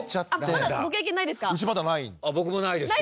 まだご経験ないですか？